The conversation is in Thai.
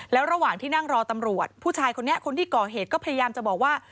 แล้วระหว่างที่นั่งรอตำรวจผู้ชายคนนี้คนที่ก่อเหตุก็พยายามจะบอกว่า